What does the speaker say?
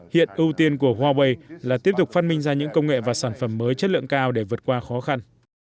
hiện ưu tiên của huawei là tiếp tục phát minh ra những công nghệ và sản phẩm mới chất lượng cao để vượt qua khó khăn